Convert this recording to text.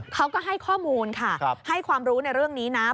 เขาก็ให้ข้อมูลค่ะให้ความรู้ในเรื่องนี้นะ